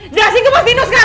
jelasin ke mas dino sekarang